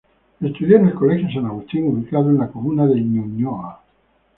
Estudió en el Colegio San Agustín, ubicado en la comuna de Ñuñoa.